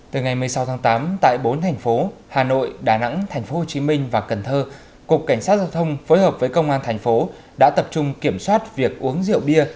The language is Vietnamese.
từ ngày một mươi sáu tháng tám tại bốn thành phố hà nội đà nẵng tp hcm và cần thơ cục cảnh sát giao thông phối hợp với công an thành phố đã tập trung kiểm soát việc uống rượu bia